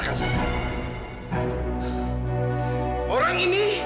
jangan buka makam